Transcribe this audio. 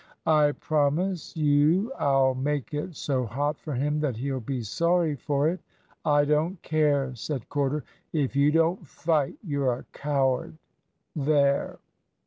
"I promise you I'll make it so hot for him that he'll be sorry for it." "I don't care," said Corder. "If you don't fight you're a coward. There!"